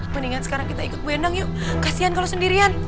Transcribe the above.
mendingan sekarang kita ikut wendang yuk kasihan kalau sendirian